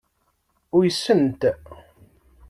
Uysen-t.